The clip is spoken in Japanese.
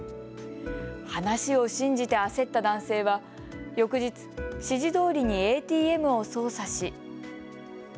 話を信じて焦った男性は翌日、指示どおりにＡＴＭを操作し。